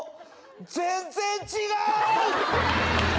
全然違ーう！